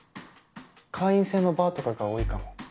会員制のバーとかが多いかも。